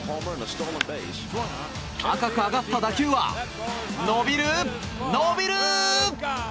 高く上がった打球は伸びる、伸びる！